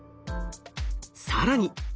更に。